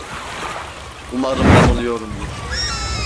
Umarım yanılıyorumdur.